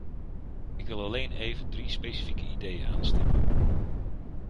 Ik wil alleen even drie specifieke ideeën aanstippen.